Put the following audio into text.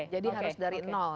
jadi harus dari nol